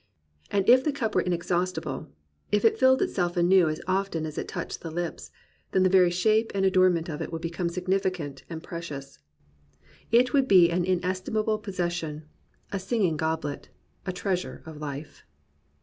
And if the cup were inexhaustible, if it filled itself anew as often as it touched the lips, then the very shape and adornment of it would become significant and pre cious. It would be an inestimable possession, a singing goblet, a treasure of fife.